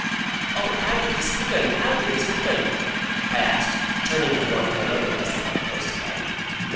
"O, how did this happen, how did this happen?" I asked, turning from one to another as the hut closed in again.